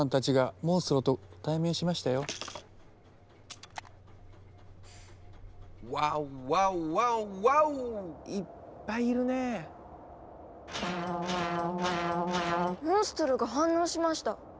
モンストロが反応しました。